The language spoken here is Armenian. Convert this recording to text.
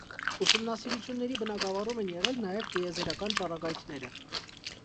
Ուսումնասիրությունների բնագավառում են եղել նաև տիեզերական ճառագայթները։